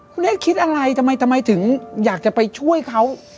คุณเอ๊คิดอะไรทำไมทำไมถึงอยากจะไปช่วยเขา